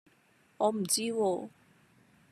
我唔知喎